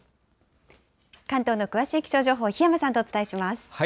関東の詳しい気象情報、檜山さんとお伝えします。